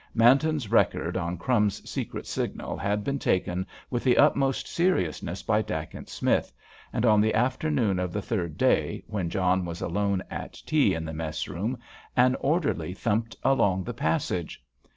Manton's record on "Crumbs's" secret signal had been taken with the utmost seriousness by Dacent Smith, and on the afternoon of the third day, when John was alone at tea in the mess room, an orderly thumped along the passage.